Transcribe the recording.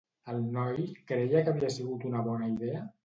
El noi creia que havia sigut una bona idea?